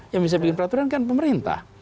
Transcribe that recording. yang bisa bikin peraturan kan pemerintah